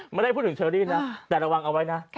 ไม่ได้พูดถึงเชอรี่นะแต่ระวังเอาไว้นะ